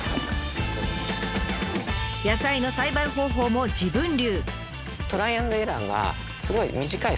野菜の栽培方法も自分流。